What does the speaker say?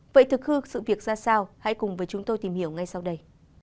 vậy thực hư sự việc ra sao hãy cùng với chúng tôi tìm hiểu ngay sau đây